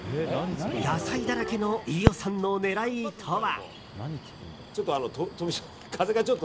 野菜だらけの飯尾さんの狙いとは。